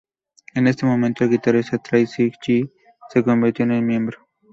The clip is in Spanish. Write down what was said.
En este momento, el guitarrista Tracy G se convirtió en miembro.